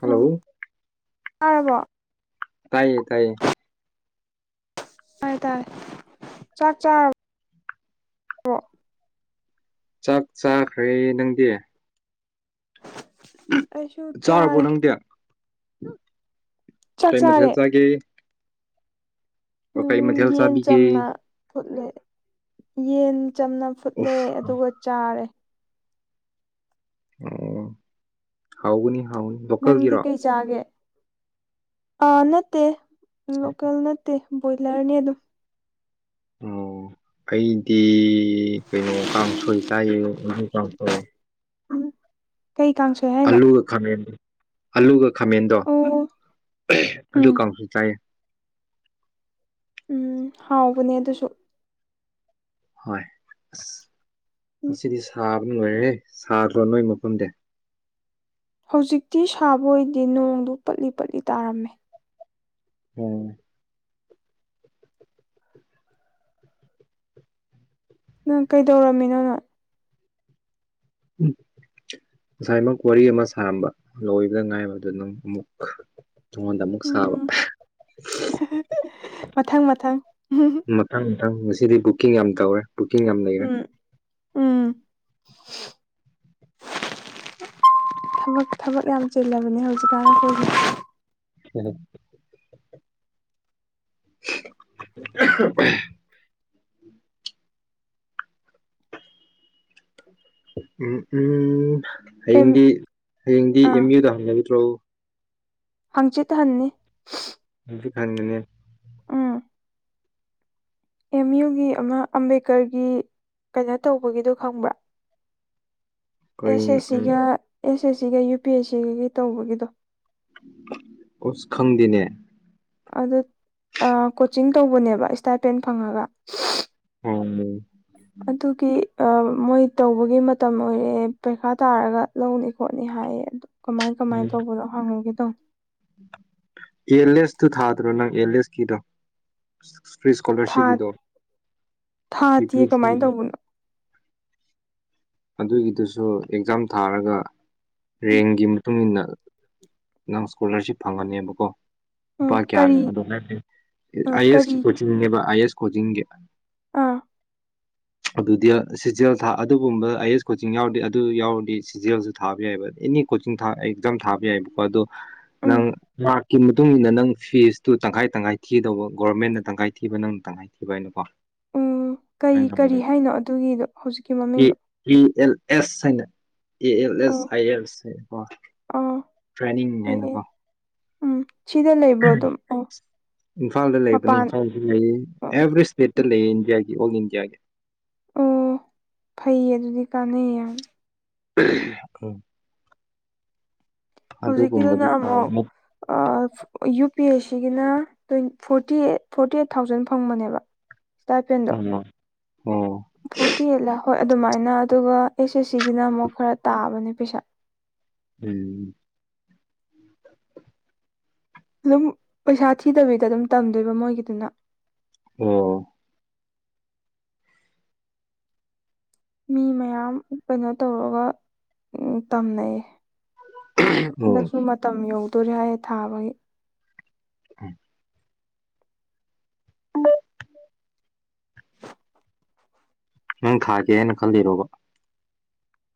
Hello ꯇꯥꯔꯕꯣ ꯇꯥꯏꯌꯦ ꯇꯥꯏꯌꯦ ꯇꯥꯏ ꯇꯥꯏ ꯆꯥꯛ ꯆꯥ ꯆꯥꯛ ꯆꯥꯈ꯭ꯔꯦ ꯅꯪꯗꯤ ꯑꯩꯁꯨ ꯆꯥꯔꯦ ꯆꯥꯛ ꯀ ꯃꯊ ꯆꯥꯔꯦ ꯆꯒꯦ ꯎꯝ ꯌꯦꯟ ꯆꯥꯕꯤꯒꯦ ꯆꯝꯅ ꯐꯨꯠꯂꯦ ꯌꯦꯟ ꯆꯝꯅ ꯐꯨꯠꯂꯦ ꯎꯐ ꯑꯗꯨꯒ ꯆꯥꯔꯦ ꯑꯣ ꯍꯥꯎꯒꯅꯤ ꯍꯥꯎꯅꯤ ꯅꯪꯗꯤ ꯂꯣꯀꯦꯜꯒꯤꯔꯣ ꯀꯩ ꯆꯥꯒꯦ ꯑꯥ ꯅꯠꯇꯦ ꯂꯣꯀꯦꯜ ꯅꯠꯇꯦ ꯕꯣꯏꯂꯔꯅꯤ ꯑꯗꯨꯝ ꯑꯣ ꯀꯩꯗꯤ ꯀꯩꯅꯣ ꯀꯥꯡꯁꯣꯏ ꯆꯥꯏꯌꯦ ꯀꯥꯡꯁꯣꯏ ꯑꯗꯨꯝ ꯀꯩ ꯀꯥꯡꯁꯣꯏ ꯍꯥꯏꯅꯣ ꯑꯜꯂꯨꯒ ꯈꯅꯦ ꯑꯜꯂꯨꯒ ꯈꯥꯃꯦꯟꯗꯣ ꯑꯣ ꯑꯗꯨ ꯎꯝ ꯀꯥꯡꯁꯨ ꯆꯥꯏꯌꯦ ꯎꯝ ꯍꯥꯎꯕꯅꯦ ꯑꯗꯨꯁꯨ ꯍ ꯑ ꯎꯝ ꯃꯁꯤꯗꯤ ꯁꯥ ꯑꯗꯨꯉꯥꯏꯔꯦꯍꯦ ꯁꯥꯈ꯭ꯔꯣ ꯅꯣꯏ ꯃꯐꯝꯗ ꯍꯧꯖꯤꯛꯇꯤ ꯁꯥꯕꯣꯏꯗꯤ ꯅꯣꯡꯗꯨ ꯄꯠꯂꯤ ꯄꯠꯂꯤ ꯇꯥꯔꯝꯃꯦ ꯎꯝ ꯅꯪ ꯀꯩꯗꯧꯔꯝꯃꯤꯅꯣꯅꯣ ꯎꯝ ꯉꯁꯥꯏꯃꯛ ꯋꯥꯔꯤ ꯑꯃ ꯁꯥꯔꯝꯕ ꯂꯣꯏꯕꯗ ꯉꯥꯏꯕꯗꯨꯅꯪ ꯑꯃꯨꯛ ꯑꯩꯉꯣꯟꯗ ꯑꯃꯨꯛ ꯁꯥꯕ ꯎꯝ ꯃꯊꯪ ꯃꯊꯪ ꯃꯊꯪ ꯃꯊꯪ ꯉꯁꯤꯗꯤ ꯕꯨꯛꯀꯤꯡ ꯌꯥꯝ ꯇꯧꯔꯦ ꯕꯨꯛꯀꯤꯡ ꯌꯥꯝ ꯂꯩꯔꯦ ꯎꯝ ꯎꯝ ꯊꯕꯛ ꯊꯕꯛ ꯌꯥꯝ ꯆꯤꯜꯂꯕꯅꯦ ꯍꯧꯖꯤꯛꯀꯥꯟ ꯑꯩꯈꯣꯏꯒꯤ ꯍꯦꯍꯦ ꯑꯍꯥꯝ ꯑꯍꯝ ꯎꯝ ꯎꯝ ꯑꯦꯝ ꯍꯌꯦꯡꯗꯤ ꯍꯌꯦꯡꯗꯤ ꯑꯦꯝ ꯌꯨꯗ ꯍꯪꯈꯤꯔꯣꯏꯗ꯭ꯔꯣ ꯍꯡꯆꯤꯠ ꯍꯟꯅꯤ ꯍꯥꯡꯆꯤꯠ ꯍꯟꯒꯅꯤ ꯎꯝ ꯑꯦꯝ ꯌꯨꯒꯤ ꯑꯃ ꯑꯝꯕꯦꯗꯀꯔꯒꯤ ꯀꯩꯅꯣ ꯇꯧꯕꯒꯤꯗꯣ ꯈꯪꯕ꯭ꯔꯥ ꯑꯦꯁ ꯑꯩꯈꯣꯏ ꯑꯦꯁ ꯎꯝ ꯁꯤꯒ ꯑꯦꯁ ꯑꯦꯁ ꯁꯤꯒ ꯌꯨ ꯄꯤ ꯑꯦꯁ ꯁꯤꯒꯒꯤ ꯇꯧꯕꯒꯤꯗꯣ ꯎꯞ ꯈꯡꯗꯦꯅꯦ ꯑꯗꯨ ꯀꯣꯆꯤꯡ ꯇꯧꯕꯅꯦꯕ ꯏꯁꯇꯥꯄꯦꯟ ꯐꯪꯉꯒ ꯎꯝ ꯑꯗꯨꯒꯤ ꯃꯣꯏ ꯇꯧꯕꯒꯤ ꯃꯇꯝ ꯑꯣꯏꯔꯛꯑꯦ ꯄꯩꯈꯥ ꯇꯥꯔꯒ ꯂꯧꯅꯤ ꯈꯣꯠꯅꯤ ꯍꯥꯏꯌꯦ ꯑꯗꯨ ꯀꯃꯥꯏ ꯀꯃꯥꯏꯅ ꯇꯧꯕꯅꯣ ꯍꯪꯉꯒꯦ ꯇꯧꯕꯅꯦ ꯑꯦꯜꯂꯦꯁꯇꯨ ꯊꯥꯗ꯭ꯔꯣ ꯅꯪ ꯑꯦꯜꯂꯦꯁꯀꯤꯗꯣ ꯐ꯭ꯔꯤ ꯊꯥ ꯁ꯭ꯀꯂꯔꯁꯤꯞ ꯀꯤꯗꯣ ꯊꯥꯗꯤꯌꯦ ꯀꯃꯥꯏꯅ ꯇꯧꯕꯅꯣ ꯑꯗꯨꯒꯤꯗꯨꯁꯨ ꯑꯦꯛꯖꯥꯝ ꯊꯥꯔꯒ ꯎꯝ ꯔꯦꯡꯒꯤ ꯃꯇꯨꯡ ꯏꯟꯅ ꯅꯪ ꯏꯁꯀꯣꯂꯥꯔꯁꯤꯞ ꯐꯪꯒꯅꯤꯕꯀꯣ ꯎꯝ ꯂꯨꯄꯥ ꯀꯌꯥꯅꯣ ꯀꯔꯤ ꯑꯣ ꯍꯥꯏ ꯑ ꯑꯥꯏ ꯑꯦꯁ ꯀ ꯀꯔꯤ ꯀꯣꯆꯤꯡꯅꯦꯕ ꯑꯥꯏ ꯑꯦ ꯑꯦꯁ ꯀꯣꯆꯤꯡꯒꯤ ꯑꯥ ꯑꯗꯨꯗꯤ ꯁꯤꯖꯦꯜ ꯊꯥ ꯑꯗꯨꯒꯨꯝꯕ ꯑꯥꯏ ꯑꯦꯁ ꯀꯣꯆꯤꯡ ꯌꯥꯎꯔꯗꯤ ꯑꯗꯨ ꯌꯥꯎꯔꯗꯤ ꯁꯤꯖꯦꯜꯁꯨ ꯊꯥꯕ ꯌꯥꯏꯕ ꯑꯦꯅꯤ ꯀꯣꯆꯤꯡ ꯑꯦꯛꯖꯥꯝ ꯊꯥꯕ ꯌꯥꯏꯑꯕꯀꯣ ꯑꯗꯣ ꯎꯝ ꯅꯪ ꯃꯥꯔꯛꯀꯤ ꯃꯇꯨꯡꯟꯅ ꯅꯪ ꯐꯤꯁꯇꯨ ꯇꯪꯈꯥꯏ ꯇꯪꯈꯥꯏ ꯊꯤꯗꯧꯕ ꯒꯣꯔꯃꯦꯟꯅ ꯇꯪꯈꯥꯏ ꯊꯤꯕ ꯅꯪꯅꯥ ꯇꯪꯈꯥꯏ ꯍꯥꯏꯅꯀꯣ ꯑꯣ ꯀꯔꯤ ꯀꯔꯤ ꯍꯥꯏꯅꯣ ꯑꯗꯨꯒꯤꯗꯣ ꯍꯧꯖꯤꯛꯀꯤ ꯑꯦ ꯃꯃꯤꯡꯗꯣ ꯑꯦ ꯑꯦꯜ ꯑꯦꯁ ꯍꯥꯏꯅ ꯑꯦ ꯑꯦꯜ ꯑꯦꯁ ꯑꯣ ꯑꯥꯏ ꯑꯦꯜ ꯑꯥ ꯇ꯭ꯔꯦꯟꯅꯤꯡ ꯑꯦ ꯑꯦ ꯍꯥꯏꯅꯀꯣ ꯎꯝ ꯁꯤꯗ ꯂꯩꯕ꯭ꯔꯣ ꯑꯗꯨꯝ ꯑꯣ ꯏꯝꯐꯥꯜꯗ ꯂꯩꯕꯅꯤ ꯃꯄꯥꯟ ꯏꯝꯐꯥꯜꯗ ꯂꯩ ꯑꯣ ꯑꯦꯕ꯭ꯔꯤ ꯏꯁꯇꯦꯠꯇ ꯎꯝ ꯂꯩꯌꯦ ꯏꯟꯗꯤꯌꯥꯒꯤ ꯑꯣꯜ ꯏꯟꯗꯤꯌꯥꯒꯤ ꯑꯣ ꯐꯩꯌꯦ ꯑꯗꯨꯗꯤ ꯀꯥꯟꯅꯩꯌꯦ ꯌꯥꯝ ꯑ ꯍꯧꯖꯤꯛꯀꯤꯗꯨꯅ ꯑꯃꯨꯛ ꯊꯥꯕ ꯑꯣ ꯑꯥ ꯌꯨ ꯄꯤ ꯑꯦꯁ ꯁꯤꯒꯤꯅ ꯇ forty eight forty eight thousand ꯐꯪꯕꯅꯦꯕ ꯁꯇꯥꯏꯄꯦꯟ ꯗꯣ ꯎꯝ ꯐꯣꯇꯤ ꯑ ꯍꯣꯏ ꯑꯗꯨꯃꯥꯏꯅ ꯑꯗꯨꯒ ꯑꯦꯁ ꯑꯦꯁ ꯁꯤꯒꯤꯅ ꯑꯃꯨꯛ ꯈꯔ ꯇꯥꯕꯅꯦ ꯄꯩꯁꯥ ꯎꯝ ꯑꯗꯨꯝ ꯄꯩꯁꯥ ꯊꯤꯗꯕꯤꯗ ꯑꯗꯨꯝ ꯇꯝꯗꯣꯏꯕ ꯃꯣꯏꯒꯤꯗꯨꯅ ꯑꯣ ꯃꯤ ꯃꯌꯥꯝ ꯀꯩꯅꯣ ꯇꯧꯔꯒ ꯇꯝꯅꯩꯌꯦ ꯍꯟꯗꯛꯁꯨ ꯃꯇꯝ ꯌꯧꯗꯣꯔꯦ ꯍꯥꯏꯌꯦ ꯊꯥꯕꯒꯤ ꯎ ꯅꯪ ꯊꯥꯒꯦꯅ ꯈꯜꯂꯤꯔꯣꯕ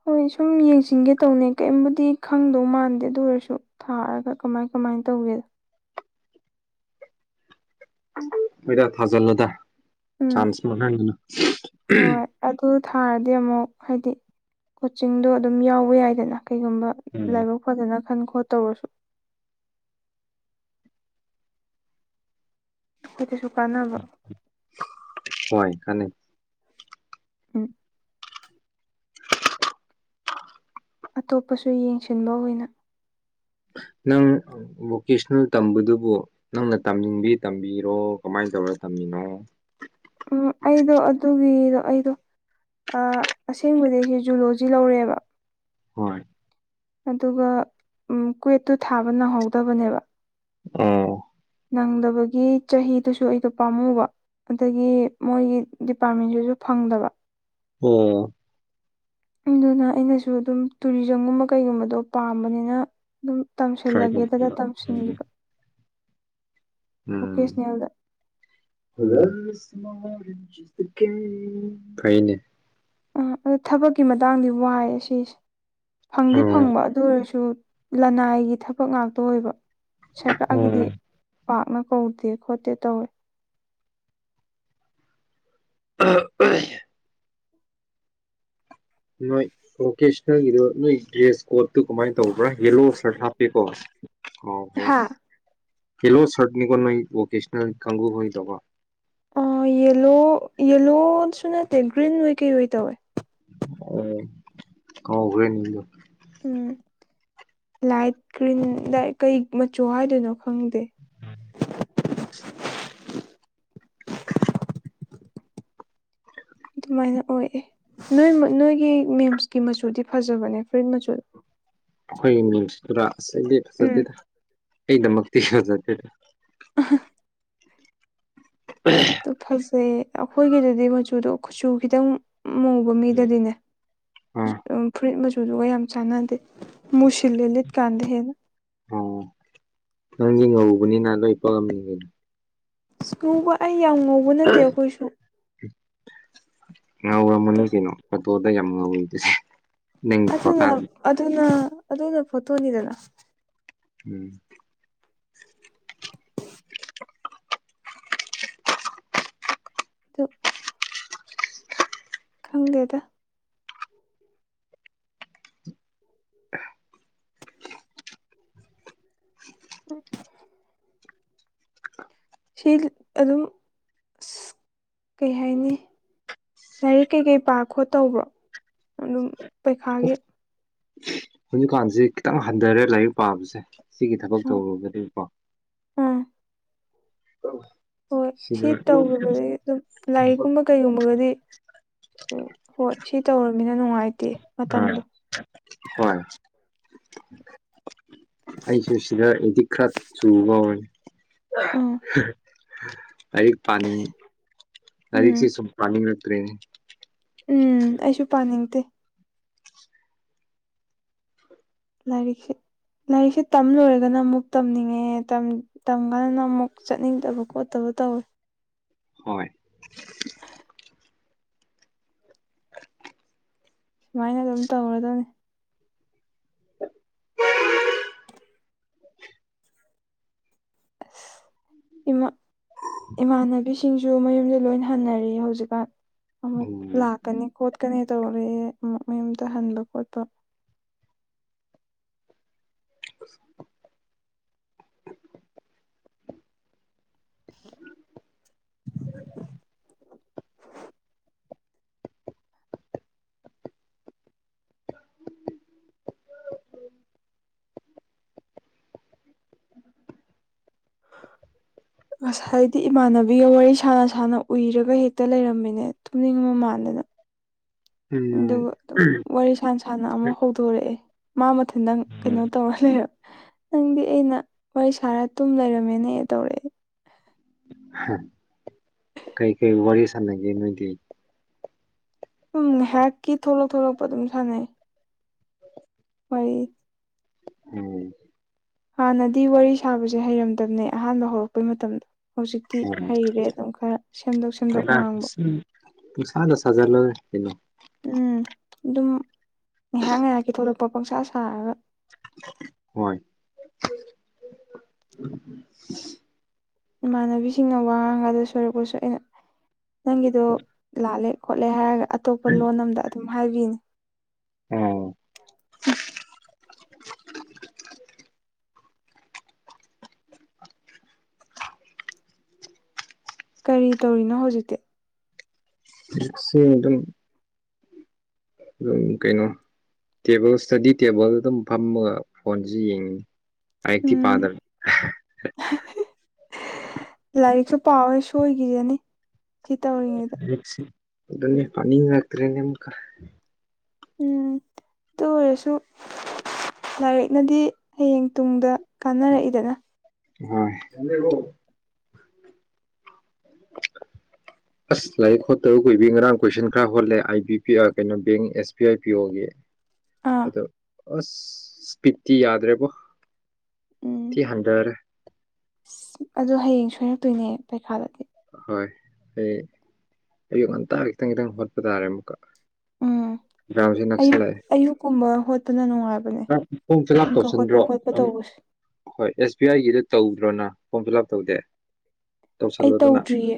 ꯍꯣꯏ ꯁꯨꯝ ꯌꯦꯡꯁꯤꯟꯒꯦ ꯇꯧꯅꯦ ꯀꯔꯤꯝꯕꯨꯗꯤ ꯈꯪꯗꯧꯃꯥꯟꯗꯦ ꯑꯗꯨ ꯑꯣꯏꯔꯁꯨ ꯊꯥꯔꯒ ꯀꯃꯥꯏ ꯀꯃꯥꯏ ꯀꯃꯥꯏꯅ ꯇꯧꯋꯦ꯫ ꯍꯣꯏꯗ ꯊꯥꯖꯜꯂꯣꯗ ꯎꯝ ꯆꯥꯟꯁ ꯥꯡꯍꯟꯒꯅꯨ꯫ ꯍꯣꯏ ꯑꯗꯨ ꯊꯥꯔꯗꯤ ꯑꯃꯨꯛ ꯍꯥꯏꯗꯤ ꯀꯣꯆꯤꯡꯗꯣ ꯑꯗꯨꯝ ꯌꯥꯎꯋ ꯌꯥꯏꯗꯅ꯫ ꯀꯩꯒꯨꯝꯕ ꯎꯝ ꯂꯥꯏꯕꯛ ꯐꯗꯅ ꯈꯟ ꯈꯣꯠꯇꯧꯔꯁꯨ ꯀ ꯀꯁꯨ ꯀꯥꯟꯅꯕ ꯀꯅꯤ ꯎꯝ [unintelligible] ꯑꯇꯣꯞꯄꯁꯨ ꯌꯦꯡꯁꯤꯟꯕ ꯑꯣꯏꯅ꯫ [unintelligible] ꯅꯪ ꯚꯣꯀꯦꯁꯅꯦꯜ ꯇꯝꯕꯗꯨꯕꯨ ꯅꯪꯅ ꯇꯝꯅꯤꯡꯕꯤ ꯇꯝꯕꯤꯔꯣ ꯀꯃꯥꯏꯅ ꯇꯧꯔꯣ ꯇꯝ ꯃꯤꯅꫭ ꯎꯝ ꯑꯩꯗꯣ ꯑꯗꯨꯒꯤꯗꯣ ꯑꯩꯗꯣ ꯑꯥ ꯑꯁꯦꯡꯕꯗꯤ ꯑꯩꯁꯦ ꯖꯨꯂꯣꯖꯤ ꯂꯧꯔꯦꯕ꯫ ꯍꯣꯏ꯫ ꯑꯗꯨꯒ ꯎꯝ ꯀ꯭ꯨꯋꯦꯠꯇꯨ ꯊꯥꯕ ꯅꯪꯍꯧꯗꯕꯅꯦꯕ꯫ ꯑꫭ ꯅꯪꯗꯕꯒꯤ ꯆꯍꯤꯗꯨꯁꯨ ꯑꯩꯗꯣ ꯄꯥꯝꯃꯨꯕ꯫ ꯑꯗꯒꯤ ꯃꯣꯏꯒꯤ ꯗꯤꯄꯥꯔꯠꯃꯦꯟꯁꯤꯁꯨ ꯐꯪꯗꯕ꯫ ꯑꯣ ꯑꯗꯨꯅ ꯑꯩꯅꯁꯨ ꯑꯗꯨꯝ ꯇꯨꯔꯤꯖꯝꯒꯨꯝꯕ ꯀꯩꯒꯨꯝꯕꯗꯣ ꯄꯥꯝꯕꯅꯤꯅ ꯑꯗꯨꯝ ꯇ꯭ꯔꯥꯏ ꯇꯝꯁꯤꯜꯂꯒꯦꯗꯅ ꯇꯧꯕ ꯎꯝ ꯇꯝꯁꯤꯟꯈꯤꯕ꯫ ꯎꯝ ꯚꯣꯀꯦꯁꯅꯦꯜꯗ ꯐꯩꯏꯅꯦ꯫ ꯑꯥ ꯑꯗꯨ ꯊꯕꯛꯀꯤ ꯃꯇꯥꯡꯗꯤ ꯋꯥꯍ ꯁꯤꯁꯦ ꯐꯪꯗꯤ ꯑꯣ ꯐꯪꯕ ꯑꯗꯨ ꯑꯣꯏꯔꯁꯨ ꯂꯅꯥꯏꯒꯤ ꯊꯕꯛ ꯉꯥꯛꯇ ꯑꯣꯏꯕ ꯁꯔꯀꯥꯔꯒꯤꯗꯤ ꯑꯣ ꯄꯥꯛꯅ ꯀꯧꯗꯦ ꯈꯣꯠꯇꯦ ꯇꯧꯋꯦ꯫ ꯑ ꯑ ꯅꯣꯏ ꯚꯣꯀꯦꯁꯅꯦꯜꯒꯤꯗꯣ ꯅꯣꯏ ꯗ꯭ꯔꯦꯁ ꯀꯣꯠꯇꯨ ꯀꯃꯥꯏ ꯇꯧꯕ꯭ꯔꯥ ꯌꯦꯂꯣ ꯁꯔꯠ ꯍꯥꯞꯄꯤꯦꯀꯣ ꯑꫭ ꯍꯥ ꯍ꯫ ꯐꯏꯂꯣ ꯁꯔꯠꯅꯤꯀꯣ ꯅꫭꯏ ꯚꯣꯀꯦꯁꯟꯜ ꯀꯪꯒꯨ ꯒꯤꯗꫭꯀꫭ꯫ ꯑꯥ ꯌꯦꯜꯂꯣ ꯌꯦꯜꯂꯣꯁꯨ ꯅꯠꯇꯦ ꯒ꯭ꯔꯤꯟ ꯍꯣꯏ ꯀꯩ ꯑꯣꯏ ꯇꯧꯋꯦ꯫ ꯑꯣ ꯀꯥꯎꯒ꯭ꯔꯦꯅꯤꯗ꯫ ꯎꯝ ꯂꯥꯏꯠ ꯀ꯭ꯔꯤꯟ ꯂ ꯀꯩ ꯃꯆꯨ ꯍꯥꯏꯗꯣꯏꯅꯣ꯫ ꯈꯪꯗꯦ꯫ ꯑꯗꯨꯃꯥꯏꯅ ꯑꯣꯏꯌꯦ ꯅꯣꯏ ꯅꯣꯏꯒꯤ ꯃꯦꯝꯁꯀꯤ ꯃꯆꯨꯗꯤ ꯐꯖꯕꯅꯦ ꯐꯨꯔꯤꯠ ꯃꯆꯨꯗꫭ꯫ ꯑꯩꯈꯣꯏꯒꯤ ꯃꯤꯟꯁꯇꯗ ꯑꯁ ꯑꯩꯗꯤ ꯐꯖꯗꯦꯗ ꯑꯩ ꯗꯃꯛꯇꯤ ꯐꯖꯗꯦꯗ꯫ ꯑꯗꫭ ꯐꯖꯩ ꯑꯩꯈꯣꯏꯒꯤꯗꯗꯤ ꯃꯆꯨꯗꯣ ꯀꯆꯨ ꯈꯤꯇꯪ ꯃꯨꯕ ꯃꯤꯗꯗꯤꯅꯦ ꯈꯨꯆꯨ ꯑꯥ ꯐꯨꯔꯤꯠ ꯃꯆ ꯗꯨꯒ ꯌꯥꯝ ꯆꯥꯟꯅꯗꯦ ꯃꯨꯁꯤꯂꯤ ꯂꯤꯠꯀꯥꯟꯗ ꯍꯟꯦꯅ꯫ ꯑꯣ ꯅꯪꯒꯤ ꯉꯧꯕꯅꯤꯅ ꯂꯣꯏ ꯄꯥꯛꯂꯝꯃꯤꯉꯩꯅ꯫ ꯁ ꯃꯨꯕ ꯑꯩ ꯌꯥꯝ ꯉꯧꯕ ꯅꯠꯇꯦ ꯑꯩꯈꯣꯏꯁꯨ꯫ ꯉꯧꯔꯝꯃꯅꯤ ꯀꯩꯅꯣ ꯐꫭꯇꯣꯗ ꯌꯥꯝ ꯉꯥꯎꯏꯗꯗꯤ꯫ ꯑꯗꯨꯅ ꯑꯗꯨꯅ ꯑꯗꯨꯅ ꯐꯣꯠꯇꯣꯅꯤꯗꯅ꯫ ꯎꯝ ꯇꯨ ꯈꯪꯗꯦꯗ꯫ [unintelligible] [unintelligible] ꯁꯤ ꯑꯗꯨꯝ ꯀꯩ ꯍꯥꯏꯅꯤ ꯂꯥꯏꯔꯤꯛ ꯀꯩꯀꯩ ꯄꯥ ꯈꯣꯠꯇꯧꯕ꯭ꯔꯣ ꯑꯗꯨꯝ ꯄꯩꯈꯥꯒꯤ ꯍꯧꯖꯤꯛꯀꯥꯟꯁꯤ ꯈꯤꯇꯪ ꯍꯟꯊꯔꯦ ꯂꯥꯏꯔꯤꯛ ꯄꯥꯕꯁꯦ ꯁꯤꯒꯤ ꯊꯕꯛ ꯇꯧꯔꯕꯒꯤꯀꯣ ꯑꯥ ꯍꯣꯏ ꯁꯤ ꯁꯤꯗ ꯇꯧꯒꯤꯕꯗꯒꯤ ꯑꯗꯨꯝ ꯂꯥꯏꯔꯤꯛꯀꯨꯝꯕ ꯀꯩꯒꯨꯝꯕꯒꯗꯤ ꯑꯣ ꯍꯣꯏ ꯁꯤ ꯇꯧꯔꯃꯤꯅ ꯅꯨꯡꯉꯥꯏꯇꯦ ꯑꯥ ꯃꯇꯝꯗꯣ ꯍꯣꯏ ꯑꯩꯁꯨ ꯁꯤꯗ ꯑꯦꯗꯤꯛ ꯈꯔ ꯆꯨꯕ ꯑꯣꯏ ꯑꯥ ꯑꯩ [inaudible] ꯄꯥꯅꯤꯡ ꯂꯥꯏꯔꯤꯛꯁꯤ ꯎꯝ ꯁꯨꯝ ꯄꯥꯅꯤꯡꯉꯛꯇ꯭ꯔꯦ ꯎꯝ ꯑꯩꯁꯨ ꯄꯥꯅꯤꯡ ꯇꯦ ꯂꯔꯤꯛꯁꯦ ꯂꯥꯏꯔꯤꯛꯁꯦ ꯇꯝ ꯂꯣꯏꯔꯒꯅ ꯑꯃꯨꯛ ꯇꯝꯅꯤꯡꯉꯦ ꯇꯝ ꯀꯥꯟꯗꯅ ꯑꯃꯨꯛ ꯆꯠꯅꯤꯡꯗꯕ ꯈꯣꯠꯇꯕ ꯇꯧꯑ ꯍꯣꯏ [unintelligible] ꯁꯨꯃꯥꯏꯅ ꯑꯗꯨꯝ ꯇꯧꯔꯗꯕꯅꯤ ꯎ [unintelligible] ꯃ ꯏꯃꯥꯟꯅꯕꯤꯁꯤꯡꯁꯨ ꯃꯌꯨꯝꯗ ꯂꯣꯏ ꯍꯟꯅꯔꯤ ꯍꯧꯖꯤꯛꯀꯥꯟ ꯑꯃꯨꯛ ꯎꯝ ꯂꯥꯛꯀꯅꯤ ꯈꯣꯠꯀꯅꯤ ꯇꯧꯔꯦ ꯑꯃꯨꯛ ꯃꯌꯨꯝꯗ ꯍꯟꯕ ꯈꯣꯠꯄ ꯑ [unintelligible] [inaudible] ꯉꯁꯥꯏꯗꯤ ꯏꯃꯥꯟꯅꯕꯤꯒ ꯋꯥꯔꯤ ꯁꯥꯟꯅ ꯁꯥꯟꯅ ꯎꯏꯔꯒ ꯍꯦꯛꯇ ꯂꯩꯔꯝꯃꯤꯅꯦ ꯇꯨꯝꯅꯤꯡꯕ ꯃꯥꯟꯅ [unintelligible] ꯑꯗꯨꯒ ꯎꯝ ꯑꯗꯨꯝ ꯋꯥꯔꯤ ꯁꯥꯟꯅ ꯁꯥꯟꯅ ꯑꯃ ꯍꯧꯗꯣꯔꯛꯑꯦ ꯃꯥ ꯃꯊꯤꯟꯇꯪ ꯀꯩꯅꯣ ꯇꯧꯔ ꯂꯩꯔꯦ ꯅꯪꯗꯤ ꯑꯩꯅ ꯋꯥꯔꯤ ꯁꯥꯔ ꯇꯨꯝ ꯂꯩꯔꯝꯃꯦꯅꯦ ꯇꯧꯔꯛꯑꯦ ꯀꯩꯀꯩ ꯋꯥꯔꯤ ꯁꯥꯟꯅꯒꯦ ꯅꯣꯏꯗꯤ ꯁꯝ ꯉꯥꯏꯍꯥꯛꯀꯤ ꯊꯣꯛꯂꯛ ꯊꯣꯛꯂꯛꯄ ꯑꯗꯨꯝ ꯁꯥꯟꯅꯩ ꯍꯔꯦ ꯎꯝ ꯍꯥꯟꯅꯗꯤ ꯋꯥꯔꯤ ꯁꯥꯕꯁꯦ ꯍꯩꯔꯝꯗꯕꯅꯦ ꯑꯍꯥꯟꯕ ꯍꯧꯔꯛꯄꯩ ꯃꯇꯝꯗꯣ ꯍꯧꯖꯤꯛꯇꯤ ꯎꯝ ꯍꯩꯔꯦ ꯑꯗꯨꯝ ꯈꯔ ꯁꯦꯝꯗꯣꯛ ꯁꯦꯝꯗꯣꯛ ꯉꯥꯡꯕ ꯄꯨꯡ ꯁꯅꯁ ꯍꯖꯔ ꯂꯩꯅꯣ ꯎꯝ ꯑꯗꯨꯝ ꯉꯥꯏꯍꯥꯛ ꯉꯥꯏꯍꯥꯛꯀꯤ ꯊꯣꯛꯂꯛꯄ ꯄꯪꯁꯥ ꯁꯥꯔꯒ ꯍꯣꯏ ꯏꯃꯥꯟꯅꯕꯤꯁꯤꯡꯅ ꯋꯥ ꯉꯥꯡꯒꯗ ꯁꯣꯏꯔꯛꯄꯁꯨ ꯑꯩꯅ ꯅꯪꯒꯤꯗꯣ ꯂꯥꯛꯂꯦ ꯈꯣꯠꯂꯦ ꯍꯥꯏꯔꯒ ꯑꯇꯣꯞꯄ ꯂꯣꯟ ꯑꯃꯝꯗ ꯑꯗꯨꯝ ꯍꯥꯏꯕꯤꯅꯤ ꯑꯣꯝ ꯀꯔꯤ ꯇꯧꯔꯤꯅꯣ ꯍꯧꯖꯤꯛꯇꯤ ꯁꯤ ꯑꯗꯨꯝ ꯑꯗꯨꯝ ꯀꯩꯅꯣ ꯇꯦꯕꯜ ꯏꯁꯇꯗꯤ ꯇꯦꯕꯜ ꯑꯗꯨꯝ ꯐꯝꯃꯒ ꯐꯣꯟꯁꯤ ꯌꯦꯡꯉꯤꯅꯤ ꯍꯥꯏꯛꯇꯤ ꯎꯝ ꯄꯥꯗꯔ ꯂꯥꯏꯔꯤꯛꯁꯨ ꯄꯥꯋꯦ ꯁꯣꯏꯈꯤꯁꯅꯤ ꯁꯤ ꯇꯧꯔꯤꯉꯩꯗ ꯑꯗꯨꯗ ꯄꯅꯤ ꯂꯥꯛꯇꯔꯦꯅꯦ ꯈꯔ ꯎꯝ ꯑꯗꯨ ꯑꯣꯏꯔꯁꯨ ꯂꯥꯏꯔꯤꯛꯅꯗꯤ ꯍꯌꯦꯡ ꯇꯨꯡꯗ ꯀꯥꯟꯅꯔꯛꯏꯗꯅ ꯍ [inaudible] [unintelligible] ꯑꯁ ꯂꯥꯏꯔꯤꯛ ꯈꯣꯠꯇꯔ ꯀꯨꯏꯕꯤ ꯉꯔꯥꯡ ꯀꯣꯏꯁꯟ ꯈꯔ ꯍꯣꯜꯂꯦ ꯑꯥꯏ ꯕꯤ ꯄꯤ ꯀꯩꯅꯣ ꯕꯦꯡ ꯑꯦꯁ ꯕꯤ ꯑꯥꯏ ꯄꯤ ꯑꯣꯒꯤ ꯑꯥ ꯑꯗ ꯑꯁ ꯏꯁꯄꯤꯠꯇꯤ ꯌꯥꯗ꯭ꯔꯦꯕꯣ ꯁꯤꯤ ꯍꯟꯊꯔꯦ ꯑ ꯑꯗꯨ ꯍꯌꯦꯡ ꯁꯣꯏꯔꯛꯇꯣꯏꯅꯦ ꯄꯩꯈꯥꯗꯗꯤ ꯍꯣꯏ ꯑꯩ ꯑꯌꯨꯛ ꯉꯟꯇꯥ ꯈꯤꯇꯪ ꯈꯤꯇꯪ ꯍꯣꯠꯄ ꯇꯥꯔꯦ ꯑꯃꯨꯛꯀ ꯎꯝ ꯑꯦꯛꯖꯥꯝꯁꯦ ꯑꯌꯨꯛ ꯑꯌꯨꯛꯀꯨꯝꯕ ꯍꯣꯠꯇꯅ ꯅꯨꯡꯉꯥꯏꯕ ꯐꯣꯡ ꯐꯤꯂꯥꯞ ꯇꯧꯁꯟꯗ꯭ꯔꯣ ꯇꯧꯕꯁꯦ ꯍꯣꯏ ꯑꯦꯁ ꯕꯤ ꯑꯥꯏꯒꯤꯗ ꯇꯧꯗ꯭ꯔꯣꯅ ꯐꯣꯝ ꯐꯤꯜ ꯑꯞ ꯇꯧꯗꯦ ꯑꯩ ꯇꯧꯁꯜꯂꯣꯗꯅ ꯇꯧꯗ꯭ꯔꯤꯌꯦ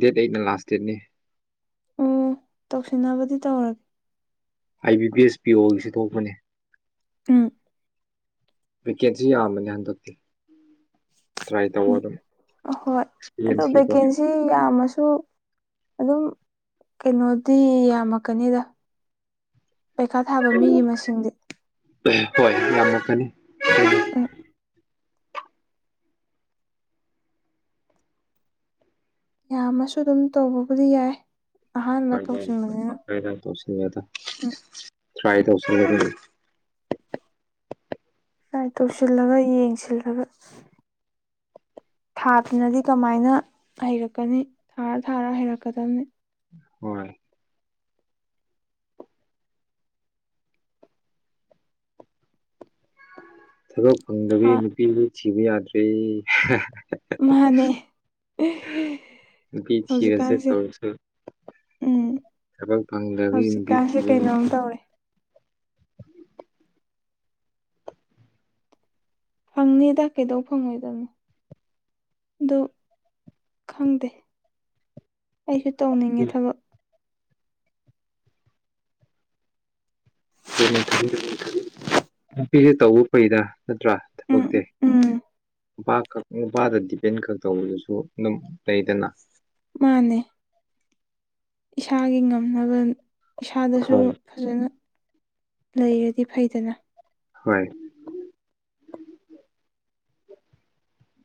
ꯗꯦꯠ ꯑꯩꯠꯅ ꯂꯥꯁ ꯗꯦꯠꯅꯤ ꯑꯣ ꯇꯧꯁꯤꯟꯅꯕꯗꯤ ꯇꯧꯔꯒꯦ I B B S P ꯑꯣꯁꯤ ꯊꯣꯛꯄꯅꯤ ꯎꯝ ꯋꯤꯀꯦꯠꯁꯤ ꯌꯥꯝꯕꯅ ꯍꯟꯗꯣꯛꯇꯤ ꯎꯝ ꯑ ꯍꯣꯏ ꯑꯣ ꯑꯦꯛꯁꯄꯤꯔꯤꯌꯦꯟꯁꯀꯤꯀꯣ ꯚꯦꯀꯦꯟꯁꯤ ꯌꯥꯝꯃꯁꯨ ꯑꯗꯨꯝ ꯀꯩꯅꯣꯗꯤ ꯌꯥꯝꯃꯛꯀꯅꯤꯗ ꯄꯩꯈꯥ ꯊꯥꯕ ꯃꯤꯒꯤ ꯃꯁꯤꯡꯗꯤ ꯍꯣꯏ ꯌꯥꯝꯅꯀꯅꯤ ꯑ ꯌꯥꯝꯃꯁꯨ ꯑꯗꯨꯝ ꯇꯧꯕꯕꯨꯗꯤ ꯌꯥꯏ ꯑꯍꯥꯟꯕ ꯀꯧꯁꯤꯟꯕꯅꯤꯅ ꯇꯧꯁꯤꯜꯂꯦꯗ ꯇ꯭ꯔꯥꯏ ꯇꯧꯁꯤꯦ ꯁꯥꯏ ꯇꯧꯁꯤꯜꯂꯒ ꯌꯦꯡꯁꯤꯜꯂꯒ ꯊꯥꯗꯨꯅꯗꯤ ꯀꯃꯥꯏꯅ ꯍꯩꯔꯛꯀꯅꯤ ꯊꯥꯔ ꯊꯥꯔ ꯍꯩꯔꯛꯀꯗꯕꯅꯤ ꯍꯣꯏ ꯊꯕꯛ ꯐꯪꯗꯕꯤ ꯍꯥ ꯅꯨꯄꯤꯗꯤ ꯊꯤꯕ ꯌꯥꯗ꯭ꯔꯦ ꯃꯥꯅꯦ ꯅꯨꯄꯤ ꯊꯤꯔꯁꯦ ꯍꯧꯖꯤꯛꯀꯥꯟꯁꯦ ꯇꯧꯔꯁꯨ ꯎꯝ ꯊꯕꯛ ꯐꯪꯗꯕꯤ ꯅꯨꯄꯤ ꯍꯧꯁꯤꯀꯥꯏꯁꯤꯦ ꯊꯤꯕ ꯀꯩꯅꯣꯝ ꯇꯧꯔꯦ [inaudible] ꯐꯪꯅꯤꯗ ꯀꯩꯗꯧ ꯐꯪꯉꯣꯏꯗꯕꯅꯣ ꯗ ꯈꯪꯗꯦ ꯑꯩꯁꯨ ꯇꯧꯅꯤꯡꯉꯦ ꯌꯥꯗ꯭ꯔꯦ ꯊꯕꯛ ꯑꯗꯨꯅꯤ ꯊꯕꯤ ꯅꯨꯄꯤꯁꯦ ꯇꯧꯕ ꯐꯩꯗ ꯅꯠꯇ꯭ꯔꯥ ꯎꯝ ꯊꯕꯛꯇꯤ ꯎꯝ ꯅꯨꯄꯥꯈꯛ ꯅꯨꯄꯥꯗ ꯗꯤꯄꯦꯟ ꯈꯛ ꯇꯧꯕꯗꯨꯁꯨ ꯑꯗꯨꯝ ꯂꯩꯗꯅ ꯃꯥꯅꯦ ꯏꯁꯥꯒꯤ ꯉꯝꯅꯕ ꯏꯁꯥꯗꯁꯨ ꯍꯣꯏ ꯐꯖꯅ ꯂꯩꯔꯗꯤ ꯐꯩꯗꯅ ꯍꯣꯏ